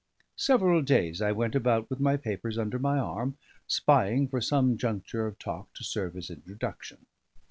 Several days I went about with my papers under my arm, spying for some juncture of talk to serve as introduction.